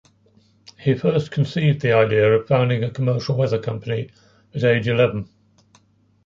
He first conceived the idea of founding a commercial weather company at age eleven.